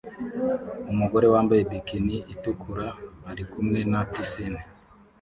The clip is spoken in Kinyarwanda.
Umugore wambaye bikini itukura arikumwe na pisine